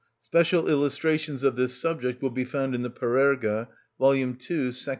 Special illustrations of this subject will be found in the "Parerga," vol. ii.